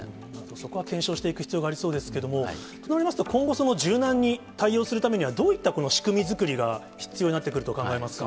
そこは検証していく必要がありそうなんですけれども、となりますと、今後、柔軟に対応するためには、どういった仕組み作りが必要になってくると考えますか。